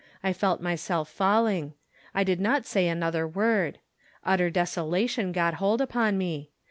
I felt myself falling. I did not say another word. Utter des olation got hold upon me.